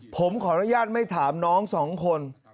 ผมขออนุญาตไม่ถามน้องสองคน